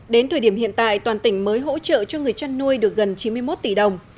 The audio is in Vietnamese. đến thời điểm hiện tại toàn tỉnh mới hỗ trợ cho người chăn nuôi được gần chín mươi một tỷ đồng